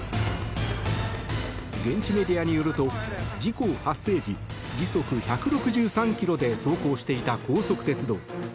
現地メディアによると事故発生時時速１６３キロで走行していた高速鉄道。